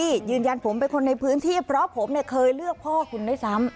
ยืนยันผมเป็นคนในพื้นที่เพราะผมเนี่ยเคยเลือกพ่อคุณด้วยซ้ำ